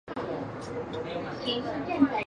盖森海恩是德国图林根州的一个市镇。